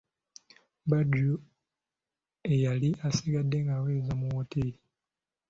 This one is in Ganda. Badru eyali asigadde ng'awereza mu wooteri.